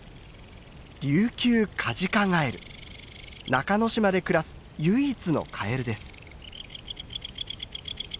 中之島で暮らす唯一のカエルです。